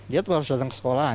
dia tuh harus datang ke sekolahan